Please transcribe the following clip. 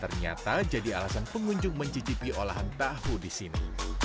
ternyata jadi alasan pengunjung mencicipi olahan tahu di sini